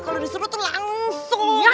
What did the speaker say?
kalau disuruh tuh langsung kejar